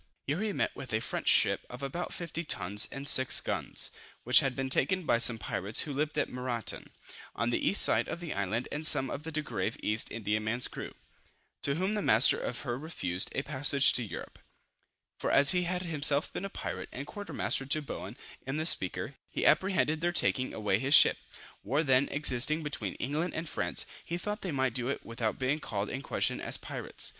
Here he met with a French ship of about 50 tons, and 6 guns, which had been taken by some pirates who lived at Maratan, on the east side of the island, and some of the Degrave East Indiaman's crew, to whom the master of her refused a passage to Europe; for as he had himself been a pirate, and quarter master to Bowen, in the Speaker, he apprehended their taking away his ship. War then existing between England and France, he thought they might do it without being called in question as pirates.